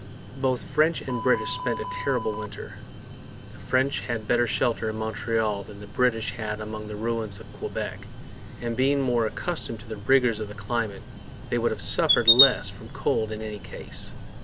Both French and British spent a terrible winter. The French had better shelter in Montreal than the British had among the ruins of Quebec; and, being more accustomed to the rigours of the climate, they would have suffered less from cold in any case.